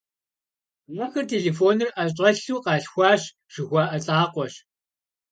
Ахэр «телефоныр ӀэщӀэлъу къалъхуащ» жыхуаӀэ лӀакъуэщ.